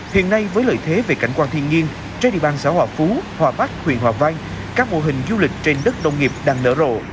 hiện nay với lợi thế về cảnh quan thiên nhiên trên địa bàn xã hòa phú hòa bắc huyện hòa vang các mô hình du lịch trên đất đông nghiệp đang nở rộ